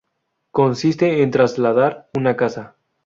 Consiste en trasladar una casa.